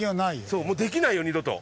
そうできないよ二度と。